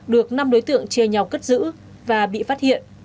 được năm đối tượng chia nhau cất giữ và bị phát hiện